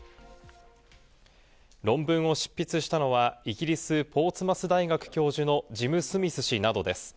論文を執筆したのはイギリス・ポーツマス大学教授のジム・スミス氏などです。